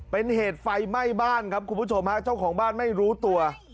เป็นเหตุไฟไหม้บ้านครับคุณผู้ชมฮะเจ้าของบ้านไม่รู้ตัว